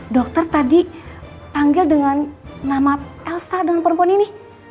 dokter tadi panggil dengan nama elsa dan perempuan ini